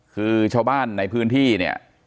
คือชาวบ้านในพื้นที่เนี่ย